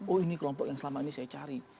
oh ini kelompok yang selama ini saya cari